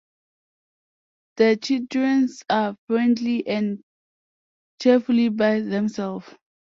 The Chitreans are friendly and cheerful by themselves.